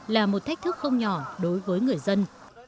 là một thách thức không nhỏ đối với người dân